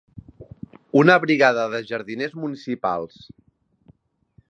Una brigada de jardiners municipals.